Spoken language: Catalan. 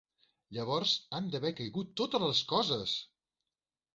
Llavors, han d'haver caigut totes les coses!